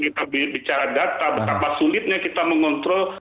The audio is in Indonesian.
kita bicara data betapa sulitnya kita mengontrol